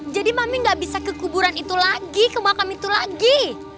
jadi mami gak bisa kekuburan itu lagi ke makam itu lagi